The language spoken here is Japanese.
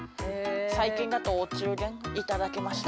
最近だとお中元頂きました。